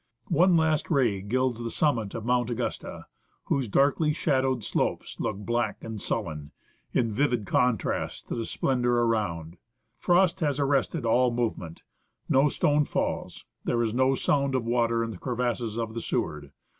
One last ray gilds the summit of Mount Augusta, whose darkly shadowed slopes look black and sullen, in vivid contrast to the splendour around. Frost has arrested all movement ; no stone falls, there is no sound of water in the crevasses of the Seward.